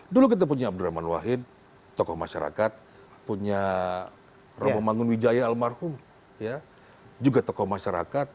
dulu kita punya abdurrahman wahid tokoh masyarakat punya robo mangun wijaya almarhum juga tokoh masyarakat